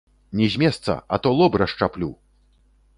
Ні з месца, а то лоб расшчаплю!